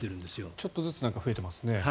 ちょっとずつ下がり始めていますね。